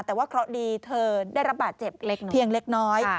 แต่ว่าเค้าดีเธอได้รับบาดเจ็บเล็กน้อย